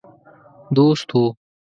دوست وو.